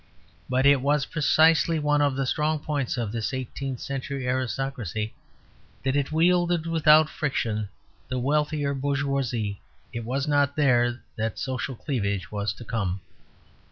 But it was precisely one of the strong points of this eighteenth century aristocracy that it wielded without friction the wealthier bourgeoisie; it was not there that the social cleavage was to come.